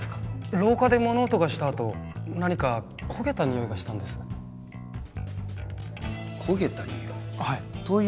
廊下で物音がした後何か焦げたニオイがしたんです焦げたニオイ？